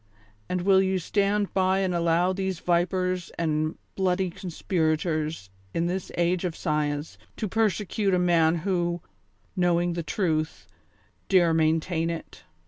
And will you stand by and allow these vipers and bloody conspirators, in this age of science, to persecute the man who, knowing the truth, dare maintain it.